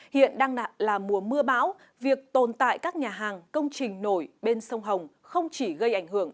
hiện đang là mùa mưa bão việc tồn tại các nhà hàng công trình nổi bên sông hồng không chỉ gây ảnh hưởng